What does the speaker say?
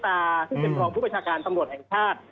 ซึ่งเป็นรองผู้ประชาการตำรวจแห่งชาติ